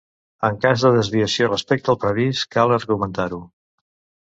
En cas de desviació respecte al previst, cal argumentar-ho.